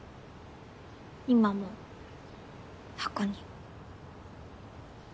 今も箱に。